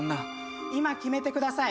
今決めてください。